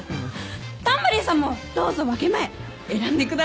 タンバリンさんもどうぞ分け前選んでください。